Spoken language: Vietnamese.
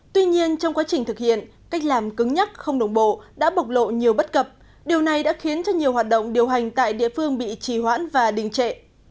tuy nhiên trong quá trình thực hiện cách làm cứng nhắc không đồng bộ đã bộc lộ nhiều bất cập điều này đã khiến cho nhiều hoạt động điều hành tại địa phương bị trì hoãn và đình trệ